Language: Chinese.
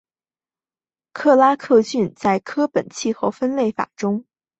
克拉克郡在柯本气候分类法中为地中海型气候。